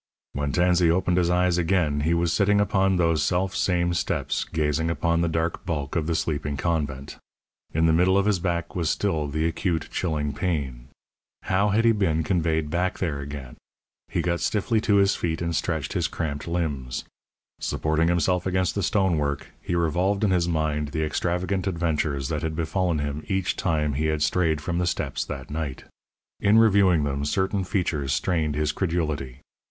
When Tansey opened his eyes again he was sitting upon those self same steps gazing upon the dark bulk of the sleeping convent. In the middle of his back was still the acute, chilling pain. How had he been conveyed back there again? He got stiffly to his feet and stretched his cramped limbs. Supporting himself against the stonework he revolved in his mind the extravagant adventures that had befallen him each time he had strayed from the steps that night. In reviewing them certain features strained his credulity.